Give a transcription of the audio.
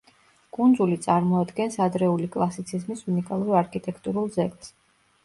კუნძული წარმოადგენს ადრეული კლასიციზმის უნიკალურ არქიტექტურულ ძეგლს.